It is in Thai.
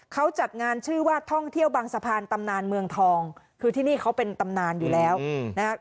เขาจัดงานชื่อว่าท่องเที่ยวบางสะพานตำนานเมืองทองคือที่นี่เขาเป็นตำนานอยู่แล้วนะครับ